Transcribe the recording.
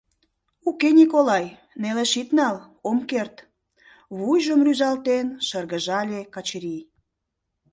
— Уке, Николай, нелеш ит нал, ом керт, — вуйжым рӱзалтен, шыргыжале Качырий.